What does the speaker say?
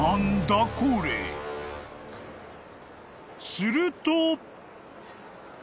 ［すると］